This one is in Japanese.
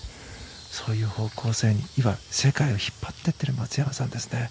そういう方向性に今、世界を引っ張っていってる松山さんですね。